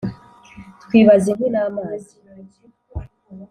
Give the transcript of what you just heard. Twibaza inkwi n'amazi